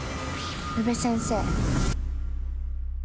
宇部先生。